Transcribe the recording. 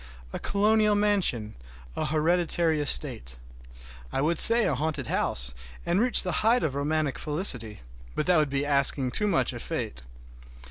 A colonial mansion, a hereditary estate, I would say a haunted house, and reach the height of romantic felicity—but that would be asking too much of fate!